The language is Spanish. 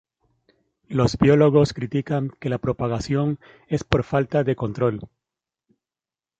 Los biólogos critican que la propagación es por falta de control.